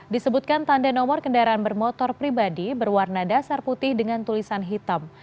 disebutkan tanda nomor kendaraan bermotor pribadi berwarna dasar putih dengan tulisan hitam